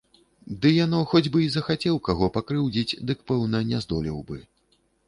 Ды яно хоць бы й захацеў каго пакрыўдзіць, дык, пэўна, не здолеў бы.